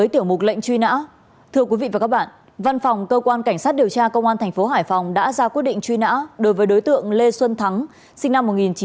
tiếp theo sẽ là những thông tin